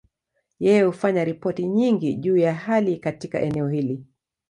Yeye hufanya ripoti nyingi juu ya hali katika eneo hili.